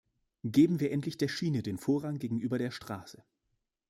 Geben wir endlich der Schiene den Vorrang gegenüber der Straße!